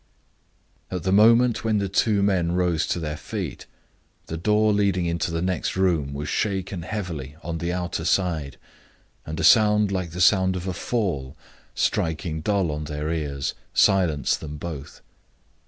At the moment when the two men rose to their feet, the door leading into the next room was shaken heavily on the outer side, and a sound like the sound of a fall, striking dull on their ears, silenced them both.